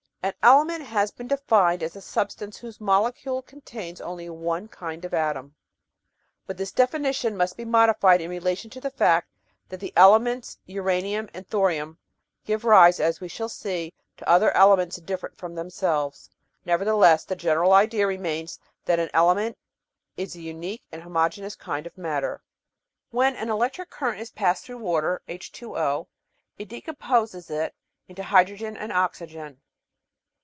An ELEMENT has been defined as a substance whose molecule contains only one kind of atom, but this definition must be modified in relation to the fact that the elements uranium and thorium give rise, as we shall see, to other elements different from themselves. Nevertheless the general idea remains that an element is a unique and homogeneous kind of matter. When an electric current is passed through water (HzO) it decomposes it into hydrogen and oxygen.